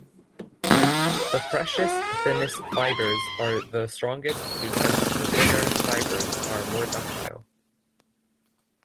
The freshest, thinnest fibers are the strongest because the thinner fibers are more ductile.